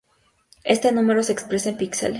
Este número se expresa en píxeles.